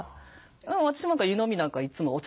私なんか湯飲みなんかいつもお茶